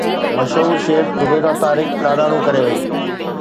مشهور شيف زبيده طارق لاڏاڻو ڪري وئي